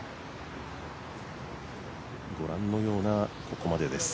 御覧のようなここまでです。